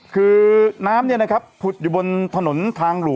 คือน้ำถูกผิดอยู่บนถนนทางหลู